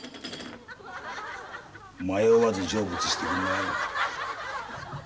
迷わず成仏してくんな。